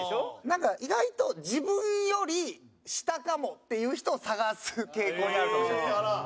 なんか意外と自分より下かもっていう人を探す傾向にあるかもしれないですね。